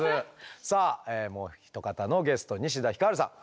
さあもうひと方のゲスト西田ひかるさん。